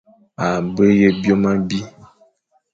A be ye byôm abî,